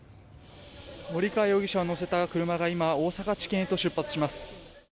森川容疑者を乗せた車が今大阪地検へと出発します。